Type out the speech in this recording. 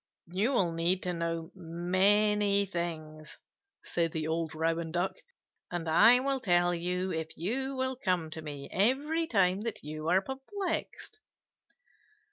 "You will need to know many things," said the old Rouen Duck, "and I will tell you if you will come to me every time that you are perplexed."